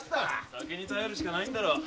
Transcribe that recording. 酒に頼るしかないのだろう。